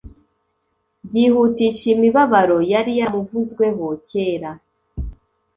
byihutisha imibabaro yari yaramuvuzweho kera